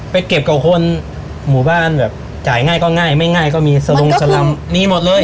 ไปเก็บเก่าคนหมู่บ้านแบบจ่ายง่ายก็ง่ายไม่ง่ายก็มีมันก็คือนี่หมดเลย